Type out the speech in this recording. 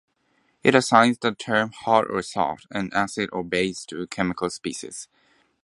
It assigns the terms 'hard' or 'soft', and 'acid' or 'base' to chemical species.